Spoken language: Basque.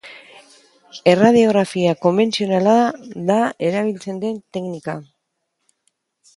Erradiografia konbentzionala da erabiltzen den teknika.